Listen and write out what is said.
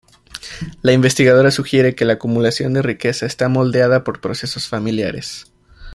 La investigadora sugiere que la acumulación de riqueza está moldeada por procesos familiares.